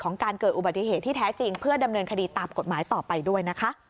การเกิดอุบัติเหตุที่แท้จริงเพื่อดำเนินคดีตามกฎหมายต่อไปด้วยนะคะ